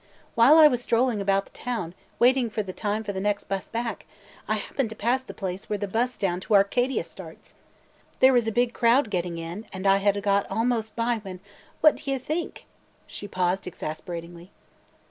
While I was strolling about the town, waiting for the time for the next bus back, I happened to pass the place where the bus down to Arcadia starts. There was a big crowd getting in and I had got almost by when – what do you think?" She paused exasperatingly.